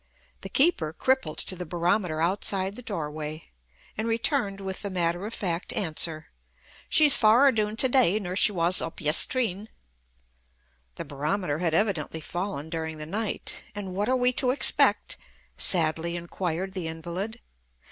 The keeper crippled to the barometer outside the doorway, and returned with the matter of fact answer: "She's faurer doon ta tay nur she wass up yestreen." The barometer had evidently fallen during the night. "And what are we to expect?" sadly inquired the invalid.